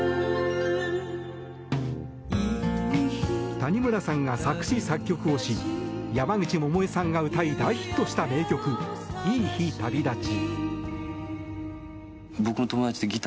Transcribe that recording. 谷村さんが作詞作曲をし山口百恵さんが歌い大ヒットした名曲「いい日旅立ち」。